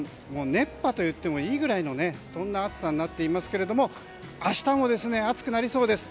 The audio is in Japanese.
熱波といってもいいくらいのそんな暑さになっていますが明日も暑くなりそうです。